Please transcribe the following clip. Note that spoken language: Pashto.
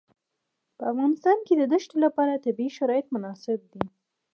په افغانستان کې د دښتې لپاره طبیعي شرایط مناسب دي.